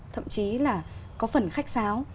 thậm chí là có phần khách sáo